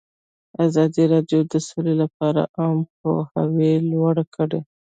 ازادي راډیو د سوله لپاره عامه پوهاوي لوړ کړی.